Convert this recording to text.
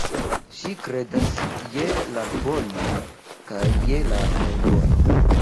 Ŝi kredas je la bono kaj je la malbono.